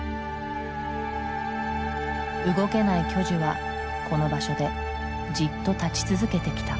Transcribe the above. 動けない巨樹はこの場所でじっと立ち続けてきた。